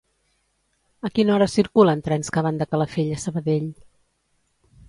A quina hora circulen trens que van de Calafell a Sabadell?